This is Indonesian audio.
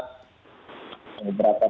hmm berapa penuh